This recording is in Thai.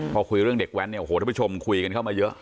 พอคุยเรื่องเด็กแว้นเนี่ยโอ้โหทุกผู้ชมคุยกันเข้ามาเยอะ